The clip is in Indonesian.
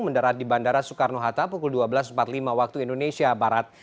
mendarat di bandara soekarno hatta pukul dua belas empat puluh lima waktu indonesia barat